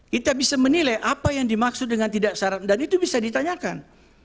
kita bisa menilai apa yang dimaksud dengan tidak saran dan itu bisa ditanyakan